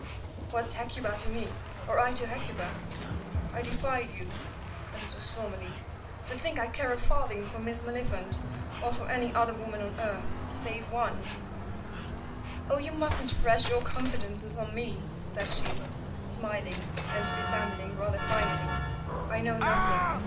"'What's Hecuba to me, or I to Hecuba?' I defy you," a little stormily, "to think I care a farthing for Miss Maliphant or for any other woman on earth save one!" "Oh, you mustn't press your confidences on me," says she, smiling and dissembling rather finely; "I know nothing.